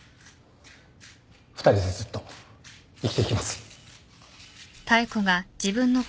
２人でずっと生きていきます。